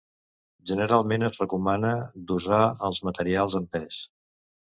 Generalment es recomana dosar els materials en pes.